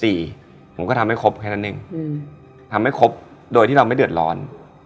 ผมก็ทำให้ครบแค่นั้นเองทำให้ครบโดยที่เราไม่เดือดร้อน